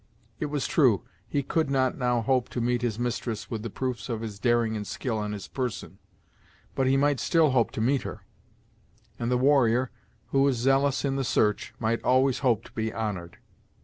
It was true, he could not now hope to meet his mistress with the proofs of his daring and skill on his person, but he might still hope to meet her; and the warrior, who was zealous in the search, might always hope to be honored.